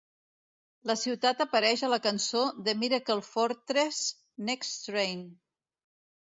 La ciutat apareix a la cançó de Miracle Fortress "Next Train".